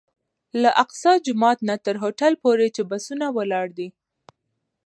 له اقصی جومات نه تر هوټل پورې چې بسونه ولاړ دي.